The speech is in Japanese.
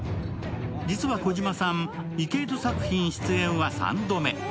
実は児嶋さん、池井戸作品主演は３度目。